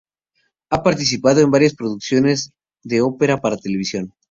Ha participado en varias producciones de ópera para televisión.